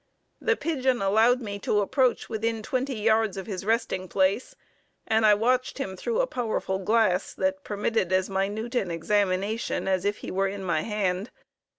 The pigeon allowed me to approach within twenty yards of his resting place and I watched him through a powerful glass that permitted as minute an examination as if he were in my hand.